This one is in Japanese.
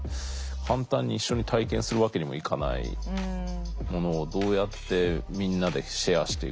簡単に一緒に体験するわけにもいかないものをどうやってみんなでシェアしていくのか。